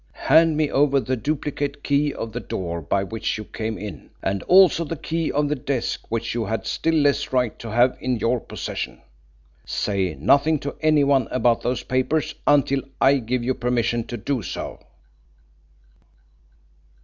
Hand me over the duplicate key of the door by which you came in, and also the key of the desk which you had still less right to have in your possession. Say nothing to anyone about those papers until I give you permission to do so."